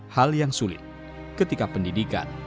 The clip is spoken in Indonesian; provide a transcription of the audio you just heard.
hal yang sulit ketika pendidikan